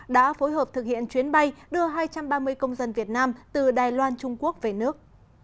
đã phối hợp thực hiện chuyến bay đưa hai trăm ba mươi công dân việt nam từ đài loan trung quốc về nước